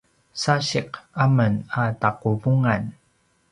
sasiq amen a taquvungan